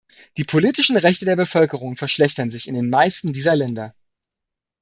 Die politischen Rechte der Bevölkerung verschlechtern sich in den meisten dieser Länder.